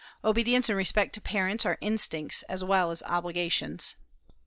Obedience and respect to parents are instincts as well as obligations.